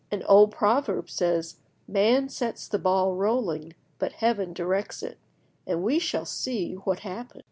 An old proverb says, "Man sets the ball rolling, but Heaven directs it," and we shall see what happened.